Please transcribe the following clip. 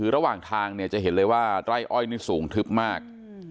ระหว่างทางจะเห็นเลยไล่อ้อยสูงทึบมาก